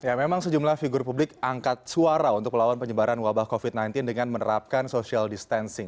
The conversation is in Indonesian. ya memang sejumlah figur publik angkat suara untuk melawan penyebaran wabah covid sembilan belas dengan menerapkan social distancing